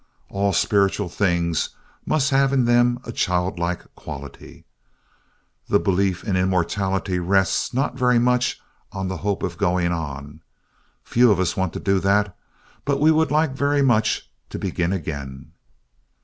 All spiritual things must have in them a childlike quality. The belief in immortality rests not very much on the hope of going on. Few of us want to do that, but we would like very much to begin again.